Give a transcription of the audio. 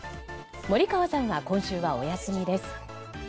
森川さんは今週はお休みです。